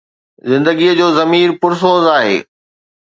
زندگيءَ جو ضمير پرسوز آهي